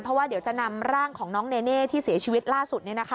เพราะว่าเดี๋ยวจะนำร่างของน้องเนเน่ที่เสียชีวิตล่าสุด